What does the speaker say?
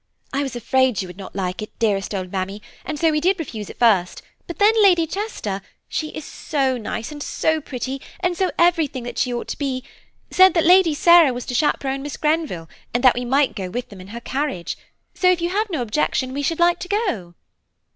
"I was afraid you would not like it, dearest old mammy, and so we did refuse at first, but then Lady Chester (she is so nice and so pretty, and so everything that she ought to be) said that Lady Sarah was to chaperon Miss Grenville, and that we might go with them in her carriage; so if you have no objection, we should like to go."